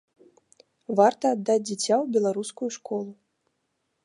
Варта аддаць дзіця ў беларускую школу.